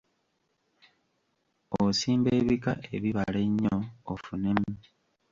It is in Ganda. Osimba ebika ebibala ennyo ofunemu.